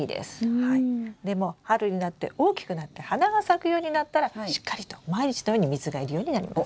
でも春になって大きくなって花が咲くようになったらしっかりと毎日のように水が要るようになります。